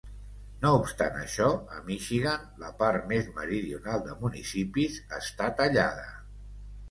No obstant això, a Michigan, la part més meridional de municipis està tallada.